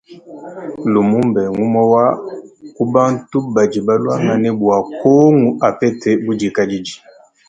Lumumba mgumue wa kubantu badi baluangane bua kongu apeta budikadidi.